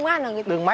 vâng anh cậu ơi